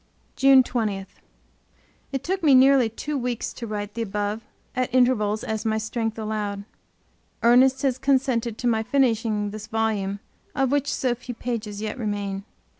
JUNE 20 It took me nearly two weeks to write the above at intervals as my strength allowed. Ernest has consented to my finishing this volume, of which so few pages yet remain.